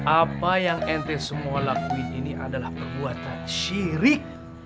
apa yang ente semua lakuin ini adalah perbuatan syirik